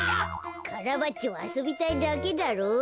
カラバッチョはあそびたいだけだろう。